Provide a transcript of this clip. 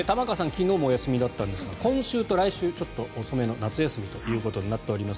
昨日もお休みだったんですが今週と来週ちょっと遅めの夏休みとなっております。